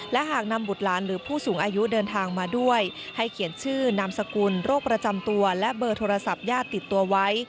และหากนำบุตรหลานหรือผู้สูงอายุเดินทางมาด้วยให้เขียนชื่อนามสกุลโรคประจำตัวและเบอร์โทรศัพท์ญาติติดตัวไว้